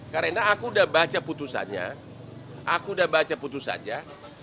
karena aku udah baca putusannya aku udah baca putusannya